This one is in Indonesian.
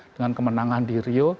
dengan kemenangan di rio